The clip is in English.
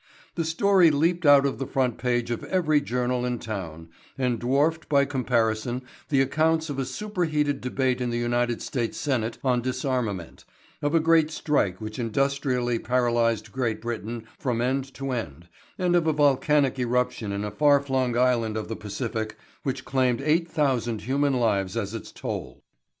The story leaped out of the front page of every journal in town and dwarfed, by comparison, the accounts of a super heated debate in the United States Senate on disarmament, of a great strike which industrially paralyzed Great Britain from end to end and of a volcanic eruption in a far flung island of the Pacific which claimed 8,000 human lives as its toll.